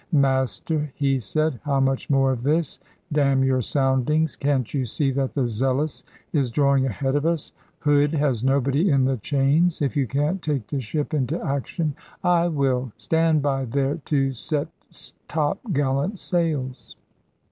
"Master," he said, "how much more of this? Damn your soundings. Can't you see that the Zealous is drawing ahead of us? Hood has nobody in the chains. If you can't take the ship into action, I will. Stand by there to set top gallant sails."